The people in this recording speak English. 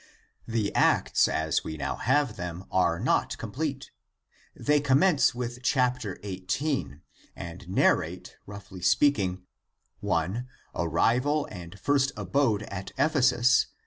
The Acts as we now have them, are not complete. They commence with c. 18, and narrate, roughly speaking: i, arrival and first abode at Ephesus (c.